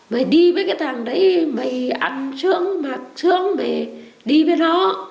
mày đi với cái thằng đấy mày ăn sướng mặc sướng mày đi với nó